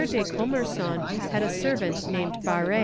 de Commerson had a servant named Barré.